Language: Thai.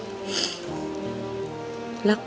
ผมคิดว่าสงสารแกครับ